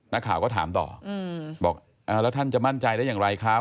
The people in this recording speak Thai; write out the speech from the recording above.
นักข่าวก็ถามต่อบอกแล้วท่านจะมั่นใจได้อย่างไรคะ